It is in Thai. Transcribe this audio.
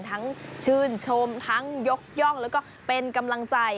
ชื่นชมทั้งยกย่องแล้วก็เป็นกำลังใจ